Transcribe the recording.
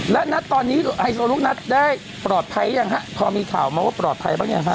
และนัดตอนนี้ไฮโซลูกนัดได้ปลอดภัยยังฮะพอมีข่าวมาว่าปลอดภัยบ้างยังฮะ